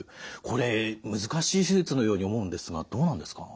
これ難しい手術のように思うんですがどうなんですか？